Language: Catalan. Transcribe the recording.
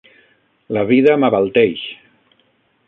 La vida m'abalteix.